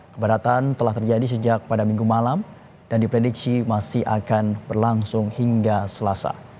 keberatan telah terjadi sejak pada minggu malam dan diprediksi masih akan berlangsung hingga selasa